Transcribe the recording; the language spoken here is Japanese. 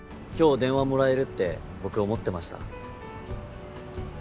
今日電話もらえるって僕思ってました。